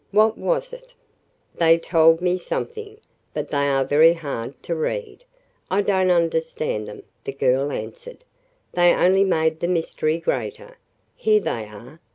What was it?" "They told me something, but they are very hard to read. I don't understand them," the girl answered. "They only made the mystery greater. Here they are.